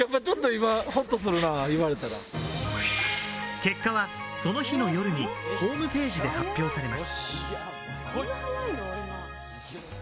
結果は、その日の夜にホームページで発表されます。